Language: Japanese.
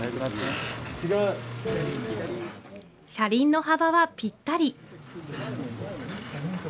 車輪の幅はぴったり。